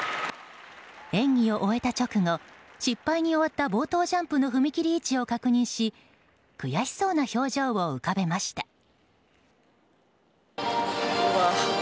演技を終えた直後失敗に終わった冒頭ジャンプの踏み切り位置を確認し悔しそうな表情を浮かべました。